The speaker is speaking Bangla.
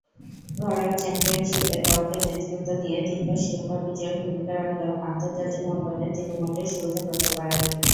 ঘরোয়া চ্যাম্পিয়নশীপে দলকে নেতৃত্ব দিয়ে তিনবার শিরোপা বিজয়ে ভূমিকা রাখলেও আন্তর্জাতিক অঙ্গনে তিনি মোটেই সুবিধে করতে পারেননি।